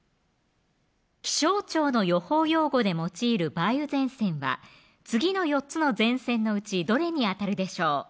気象庁の予報用語で用いる梅雨前線は次の４つの前線のうちどれに当たるでしょう